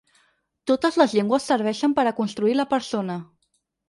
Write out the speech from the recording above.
Totes les llengües serveixen per a construir la persona.